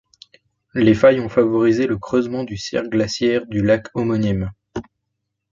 Les failles ont favorisé le creusement du cirque glaciaire du lac homonyme.